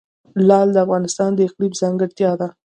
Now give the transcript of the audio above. لعل د افغانستان د اقلیم ځانګړتیا ده.